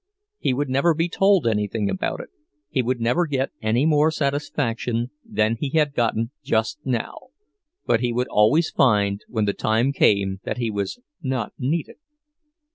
He would never be told anything about it; he would never get any more satisfaction than he had gotten just now; but he would always find when the time came that he was not needed.